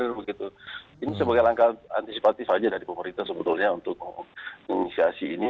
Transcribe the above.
ini sebagai langkah antisipatif saja dari pemerintah sebetulnya untuk menginisiasi ini